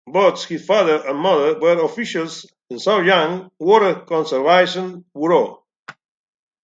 Both his father and mother were officials in Shaoyang Water Conservancy Bureau.